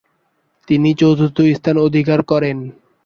তিনি চতুর্থ স্থান অধিকার করেন।